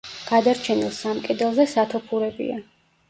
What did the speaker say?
გადარჩენილ სამ კედელზე სათოფურებია.